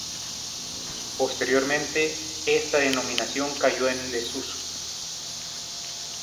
Posteriormente, esta denominación cayó en desuso.